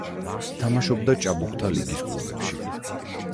თამაშობდა ჭაბუკთა ლიგის კლუბებში.